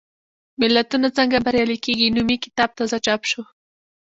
ملتونه څنګه بریالي کېږي؟ نومي کتاب تازه چاپ شو.